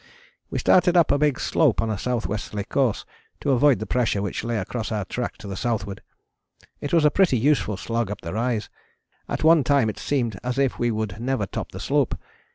We started up a big slope on a S.W. course to avoid the pressure which lay across our track to the southward. It was a pretty useful slog up the rise, at one time it seemed as if we would never top the slope.